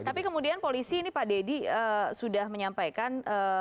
tapi kemudian polisi ini pak deddy sudah menyampaikan